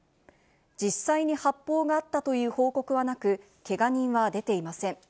実際に発砲があったという報告はなく、けが人は出ていません。